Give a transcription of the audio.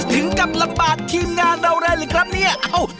ถึงกับลำบากทีมงานเราได้เลยครับเนี่ย